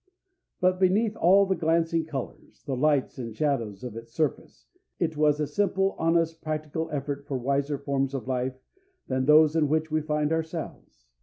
But beneath all the glancing colors, the lights and shadows of its surface, it was a simple, honest, practical effort for wiser forms of life than those in which we find ourselves.